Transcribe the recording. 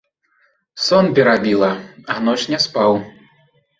Сон перабіла, а ноч не спаў.